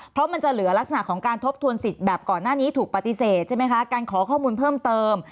เพราะมันจะเหลือลักษณะของการทบทวนสิทธิ์แบบก่อนหน้านี้ถูกปฏิเสธใช่ไหมคะการขอข้อมูลเพิ่มเติม